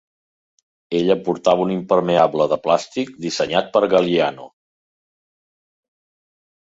Ella portava un impermeable de plàstic dissenyat per Galliano.